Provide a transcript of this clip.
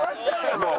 もう。